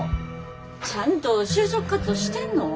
ちゃんと就職活動してんの？